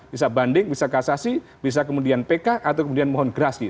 bisa banding bisa kasasi bisa kemudian pk atau kemudian mohon gerasi